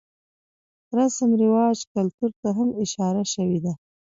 رسم رواج ،کلتور ته هم اشاره شوې ده.